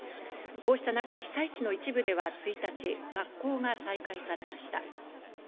こうした中、被災地の一部では１日、学校が再開されました。